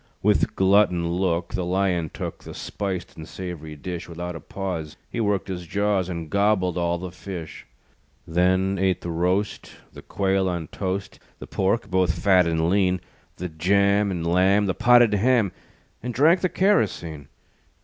With glutton look The Lion took The spiced and sav'ry dish. Without a pause He worked his jaws, And gobbled all the fish. Then ate the roast, The quail on toast, The pork, both fat and lean; The jam and lamb, The potted ham, And drank the kerosene.